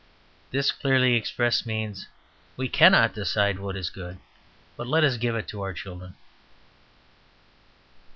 This, clearly expressed, means, "We cannot decide what is good, but let us give it to our children."